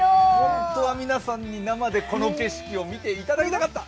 本当は皆さんに生でこの景色を見ていただきたかった。